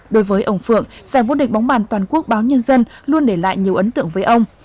đối với ông phượng giải vô địch bóng bàn toàn quốc báo nhân dân luôn để lại nhiều ấn tượng với ông